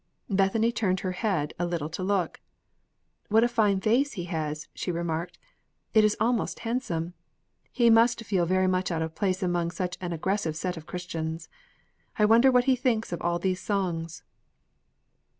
Bethany turned her head a little to look. "What a fine face he has!" she remarked. "It is almost handsome. He must feel very much out of place among such an aggressive set of Christians. I wonder what he thinks of all these songs?"